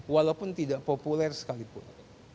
walaupun tidak populer sekalipun